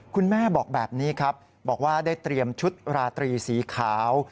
คุณแม่บอกแบบนี้ครับบอกว่าได้เตรียมชุดราตรีสีขาว